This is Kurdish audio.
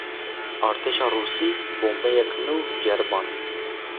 Artêşa Rûsî, bombeyek nû ceriband